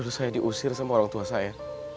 terus saya diusir sama orang tua saya